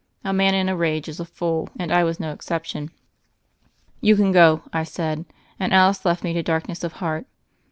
A man in a rage is a fool, and I was no exception. "You can go," I said, and Alice left me to darkness of heart.